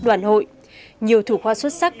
đoàn hội nhiều thủ khoa xuất sắc